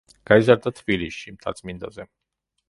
გაიზარდა თბილისში, მთაწმინდაზე.